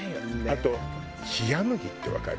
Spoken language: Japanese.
あと冷麦ってわかる？